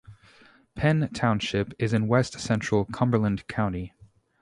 Penn Township is in west-central Cumberland County.